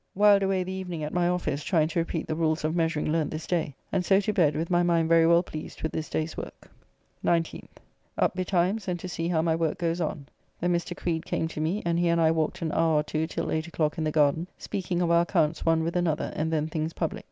Whiled away the evening at my office trying to repeat the rules of measuring learnt this day, and so to bed with my mind very well pleased with this day's work. 19th. Up betimes and to see how my work goes on. Then Mr. Creed came to me, and he and I walked an hour or two till 8 o'clock in the garden, speaking of our accounts one with another and then things public.